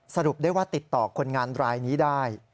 สรุปได้ว่าติดต่อคนงานรายนี้ได้